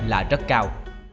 là rất cao